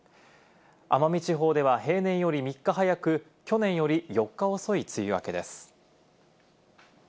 奄美地方では平年より３日早く、去年より４日遅い梅雨明けです。